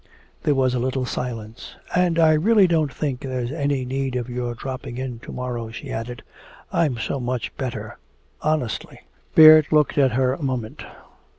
There was a little silence. "And I really don't think there's any need of your dropping in to morrow," she added. "I'm so much better honestly." Baird looked at her a moment.